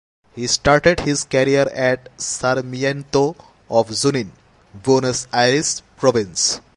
He started his career at Sarmiento of Junin, Buenos Aires province.